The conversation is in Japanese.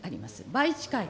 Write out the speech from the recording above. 倍近い。